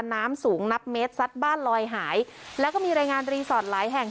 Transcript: น้ำสูงนับเมตรซัดบ้านลอยหายแล้วก็มีรายงานรีสอร์ทหลายแห่ง